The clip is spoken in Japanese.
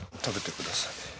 食べてください。